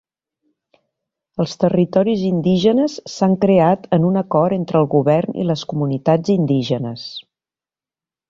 Els territoris indígenes s'han creat en un acord entre el govern i les comunitats indígenes.